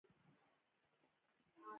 انسان باید د اړتیا وړ اوبه وڅښي